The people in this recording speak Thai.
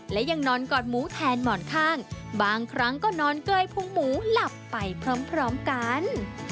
และยังนอนกอดหมูแทนหมอนข้างบางครั้งก็นอนเกยพุงหมูหลับไปพร้อมกัน